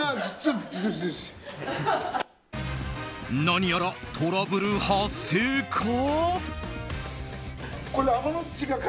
何やらトラブル発生か？